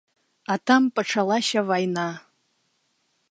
А там пачалася вайна.